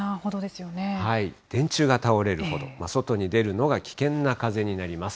電柱が倒れるほど、外に出るのが危険な風になります。